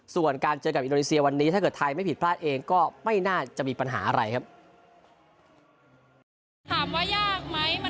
ส่วนการเจอกับอินโดนีเซียวันนี้ถ้าเกิดไทยไม่ผิดพลาดเองก็ไม่น่าจะมีปัญหาอะไรครับ